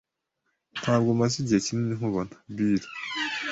Ntabwo maze igihe kinini nkubona, Bill.